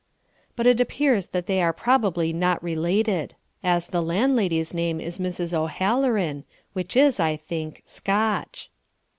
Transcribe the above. But it appears that they are probably not related, as the landlady's name is Mrs. O'Halloran, which is, I think, Scotch.